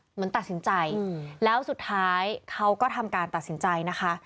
เหมือนตัดสินใจแล้วสุดท้ายเขาก็ทำการตัดสินใจนะคะ